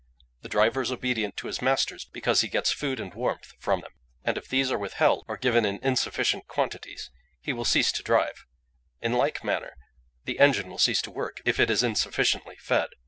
The driver is obedient to his masters, because he gets food and warmth from them, and if these are withheld or given in insufficient quantities he will cease to drive; in like manner the engine will cease to work if it is insufficiently fed.